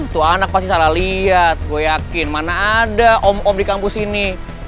tuh anak pasti salah lihat gue yakin mana ada om om di kampus ini